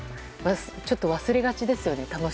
ちょっと忘れがちですよね。